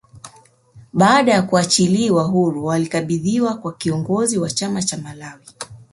Baada ya kuachiliwa huru walikabidhiwa kwa kiongozi wa chama cha Malawi